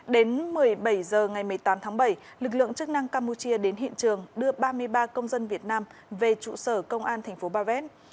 đến một mươi bảy h ngày một mươi tám tháng bảy lực lượng chức năng campuchia đến hiện trường đưa ba mươi ba công dân việt nam về trụ sở công an thành phố ba vét